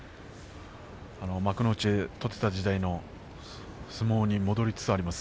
幕内で取っていた時代の相撲に戻りつつあります。